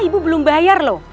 ibu belum bayar loh